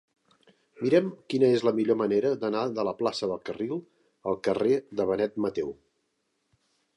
Mira'm quina és la millor manera d'anar de la plaça del Carril al carrer de Benet Mateu.